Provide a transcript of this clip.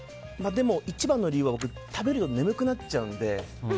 でも、一番の理由は僕、食べると眠くなっちゃうので。